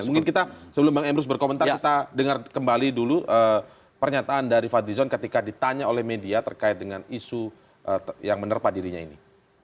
mungkin kita sebelum bang emrus berkomentar kita dengar kembali dulu pernyataan dari fadlizon ketika ditanya oleh media terkait dengan isu yang menerpa dirinya ini